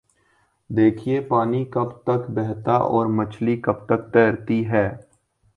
دیکھیے پانی کب تک بہتا اور مچھلی کب تک تیرتی ہے؟